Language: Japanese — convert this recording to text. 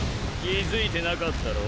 気づいてなかったろ？